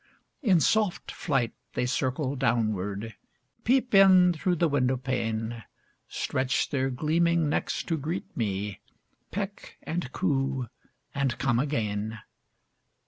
In soft flight, they circle downward, Peep in through the window pane; Stretch their gleaming necks to greet me, Peck and coo, and come again.